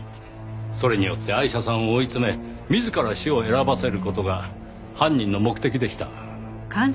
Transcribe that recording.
それによってアイシャさんを追い詰め自ら死を選ばせる事が犯人の目的でした。